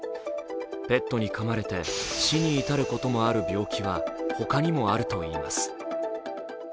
ペットにかまれて死に至ることもある病気は他にもあるといいます。